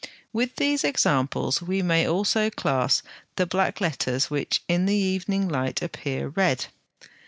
With these examples we may also class the black letters which in the evening light appear red.